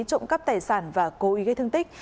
trộm cắp tài sản và cố ý gây thương tích